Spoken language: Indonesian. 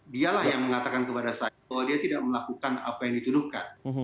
dialah yang mengatakan kepada saya bahwa dia tidak melakukan apa yang dituduhkan